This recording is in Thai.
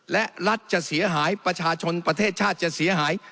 และรัฐจะเสียหายประชาชนประเทศชาติจะเสียหาย